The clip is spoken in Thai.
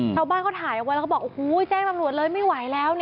ชาวบ้านเขาถ่ายเอาไว้แล้วก็บอกโอ้โหแจ้งตำรวจเลยไม่ไหวแล้ว